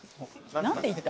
何て言った？